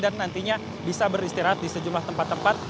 dan nantinya bisa beristirahat di sejumlah tempat tempat